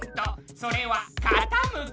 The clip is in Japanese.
それはかたむき。